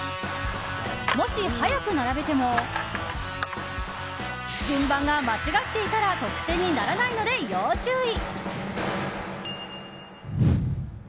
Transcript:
もし早く並べても順番が間違っていたら得点にならないので要注意！